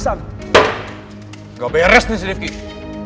makanya emosi banget nina grafis speaker